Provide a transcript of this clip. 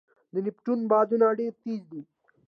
د نیپټون بادونه ډېر تېز دي.